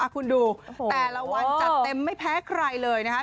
คุณดูแต่ละวันจัดเต็มไม่แพ้ใครเลยนะคะ